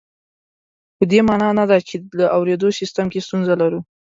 په دې مانا نه ده چې د اورېدو سیستم کې ستونزه لرو